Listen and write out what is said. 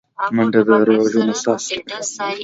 منډه د روغ ژوند اساس ده